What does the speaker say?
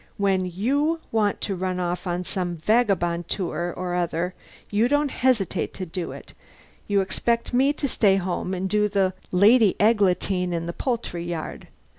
When you want to run off on some vagabond tour or other you don't hesitate to do it. You expect me to stay home and do the Lady Eglantine in the poultry yard.